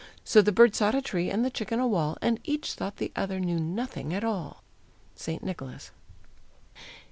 So the bird sought a tree and the chicken a wall, And each thought the other knew nothing at all. _St. Nicholas.